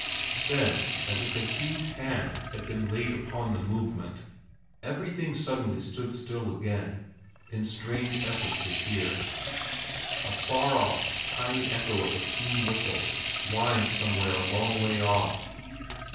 Then as if a huge hand had been laid upon the movement, everything suddenly stood still again, in strained effort to hear. A far off, tiny echo of a steam whistle whined somewhere a long way off.